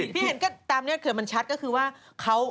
พี่เห็นก็ตามเนี่ยเกิดมันชัดก็คือว่าเขา